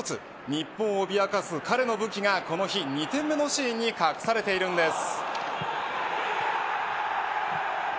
日本を脅かす彼の武器がこの日２点目のシーンに隠されているんです。